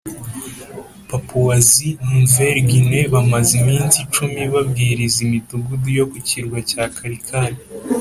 Papouasie Nouvelle Guinee bamaze iminsi icumi babwiriza imidugudu yo ku kirwa cya Karkar